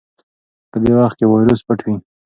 په دې وخت کې وایرس پټ وي.